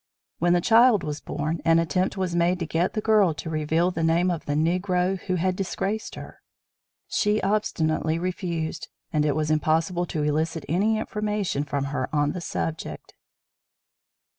When the child was born an attempt was made to get the girl to reveal the name of the Negro who had disgraced her, she obstinately refused and it was impossible to elicit any information from her on the subject.